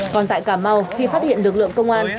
còn tại cà mau khi phát hiện lực lượng công an